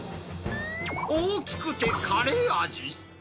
大きくてカレー味？